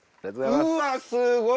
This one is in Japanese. うわすごい！